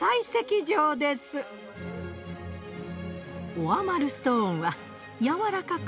オアマルストーンは軟らかく